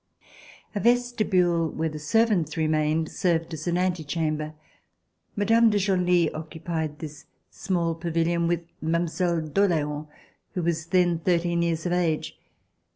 A vestibule, where the servants remained, served as an antechamber. Mme. de Genlis occupied this small pavilion with Mile. d'Orleans who was then thirteen years of age.